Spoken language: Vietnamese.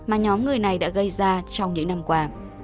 mà nhóm người này đã gây ra trong những năm qua